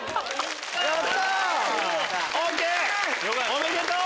おめでとう！